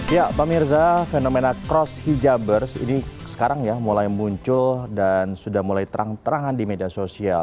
ya pak mirza fenomena cross hijabers ini sekarang ya mulai muncul dan sudah mulai terang terangan di media sosial